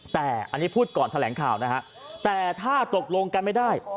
แต่อันนี้พูดก่อนแถลงข่าวนะฮะแต่ถ้าตกลงกันไม่ได้